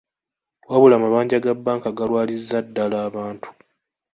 Wabula amabanja ga bbanka galwaliza ddala abantu.